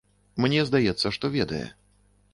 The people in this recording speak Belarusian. Мне здаецца, што ведае.